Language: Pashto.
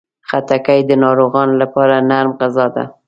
خټکی د ناروغانو لپاره نرم غذا ده.